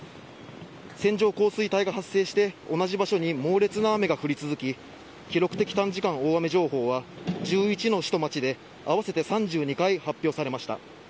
線状降水帯が発生して同じ場所に猛烈な雨が降り続き記録的短時間大雨情報は１１の市と町で合わせて３２回発表されました。